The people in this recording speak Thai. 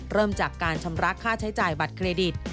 เริ่มจากการชำระค่าใช้จ่ายบัตรเครดิต